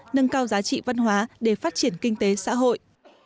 nâng cao giá trị văn hóa để phát triển kinh tế xã hội